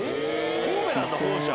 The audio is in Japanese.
神戸なんだ本社。